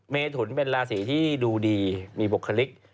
เมถุนเป็นราศีที่ดูดีมีบุคลิก